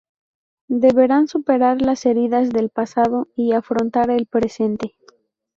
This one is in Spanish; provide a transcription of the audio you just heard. Deberán superar las heridas del pasado y afrontar el presente.